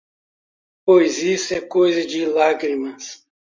Pois isto é coisa de lágrimas?